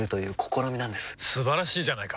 素晴らしいじゃないか！